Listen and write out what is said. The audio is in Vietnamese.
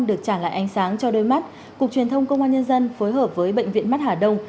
được trả lại ánh sáng cho đôi mắt cục truyền thông công an nhân dân phối hợp với bệnh viện mắt hà đông